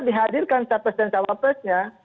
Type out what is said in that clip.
dihadirkan capres dan tawarnya